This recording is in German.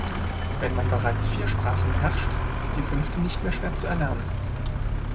Wenn man bereits vier Sprachen beherrscht, ist die fünfte nicht mehr schwer zu erlernen.